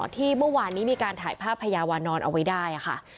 ที่เมื่อวานนี้มีการถ่ายภาพพญาวานอนเอาไว้ได้ค่ะ